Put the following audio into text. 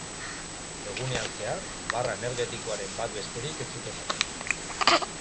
Egunean zehar, barra energetikoren bat besterik ez dute jaten.